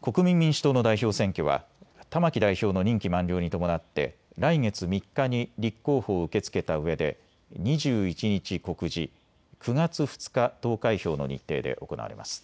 国民民主党の代表選挙は玉木代表の任期満了に伴って来月３日に立候補を受け付けたうえで２１日告示、９月２日投開票の日程で行われます。